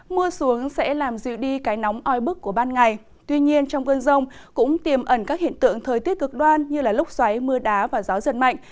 mưa xuống sẽ làm dịu đi cái nóng oi bức của ban ngày tuy nhiên trong cơn rông cũng tiềm ẩn các hiện tượng thời tiết cực đoan như lúc xoáy mưa đá và gió giật mạnh